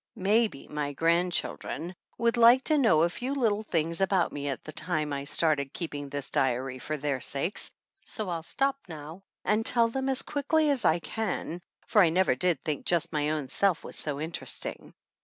Maybe rny grandchildren would like to know 4 THE ANNALS OF ANN a few little things about me at the time I started keeping this diary for their sakes, so I'll stop now and tell them as quickly as I can, for I never did think just my own self was so interest ing.